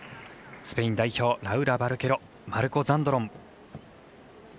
スペイン代表、ラウラ・バルケロマルコ・ザンドロン。